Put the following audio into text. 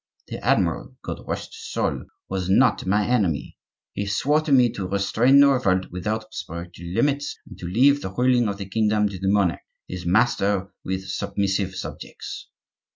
The admiral, God rest his soul! was not my enemy; he swore to me to restrain the revolt within spiritual limits, and to leave the ruling of the kingdom to the monarch, his master, with submissive subjects.